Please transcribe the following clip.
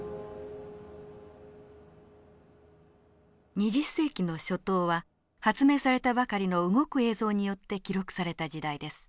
２０世紀の初頭は発明されたばかりの動く映像によって記録された時代です。